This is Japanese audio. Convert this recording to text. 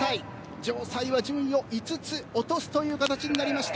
城西は順位を５つ落とす形になりました。